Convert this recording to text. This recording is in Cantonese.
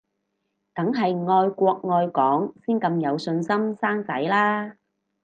梗係愛國愛港先咁有信心生仔啦